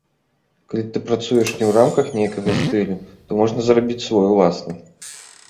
Калі ты працуеш не ў рамках нейкага стылю, то можна зрабіць свой уласны.